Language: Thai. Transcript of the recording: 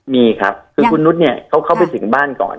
มีครับคือคุณนุษย์เนี่ยเขาเข้าไปถึงบ้านก่อน